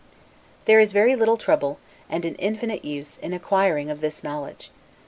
There is very little trouble, and an infinite use, in acquiring of this knowledge.